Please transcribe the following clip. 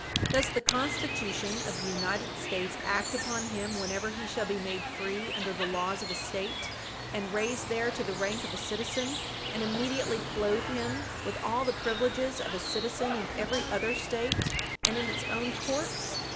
Does the Constitution of the United States act upon him whenever he shall be made free under the laws of a State, and raised there to the rank of a citizen, and immediately clothe him with all the privileges of a citizen in every other State, and in its own courts?